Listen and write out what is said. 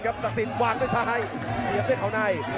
ซักศิษธิ์วางด้วยซ้ายเผี่ยเผื่อเขาใน